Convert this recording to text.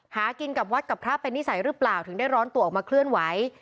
หากินกับวัดกับพระเป็นนิสัยหรือเปล่าถึงได้ร้อนตัวออกมาเคลื่อนไหว